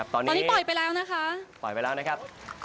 ตอนนี้ปล่อยไปแล้วนะคะปล่อยไปแล้วนะครับ